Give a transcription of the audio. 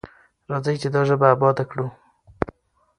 راځئ چې دا ژبه اباده کړو.